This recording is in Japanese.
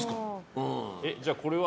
じゃあ、これは？